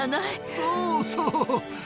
そうそう。